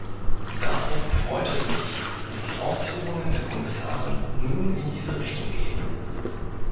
Darum freut es mich, dass die Ausführungen der Kommissarin nun in diese Richtung gehen.